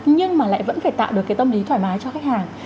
nhưng mà lại vẫn phải tạo được cái tâm lý thoải mái cho khách hàng